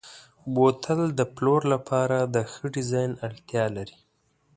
بوتل د پلور لپاره د ښه ډیزاین اړتیا لري.